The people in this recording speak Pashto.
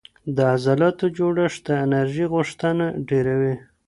د عضلاتو جوړښت د انرژي غوښتنه ډېروي.